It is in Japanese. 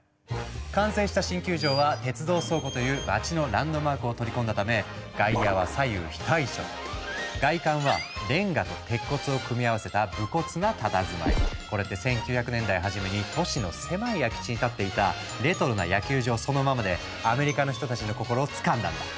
完成した新球場は鉄道倉庫という街のランドマークを取り込んだため外観はこれって１９００年代初めに都市の狭い空き地に立っていたレトロな野球場そのままでアメリカの人たちの心をつかんだんだ。